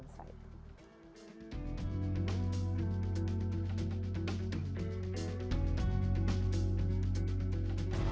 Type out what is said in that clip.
tentang para pelajar yang membakar saya